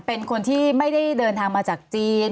เป็นคนที่ไม่ได้เดินทางมาจากจีน